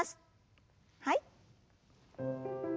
はい。